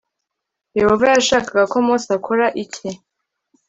Yehova yashakaga ko Mose akora iki